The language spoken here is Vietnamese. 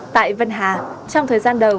tại vân hà trong thời gian đầu